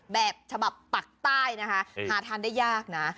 แบบฉบับปักใต้นะคะหาทานได้ยากนะ